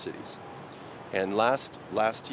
của thành phố cát tây